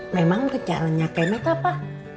memang rencananya pemet apa